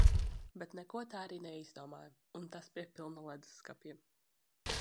Bet neko tā arī neizdomāju, un tas pie pilna ledusskapja.